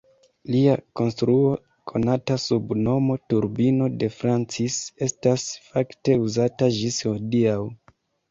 Lia konstruo konata sub nomo Turbino de Francis estas fakte uzata ĝis hodiaŭ.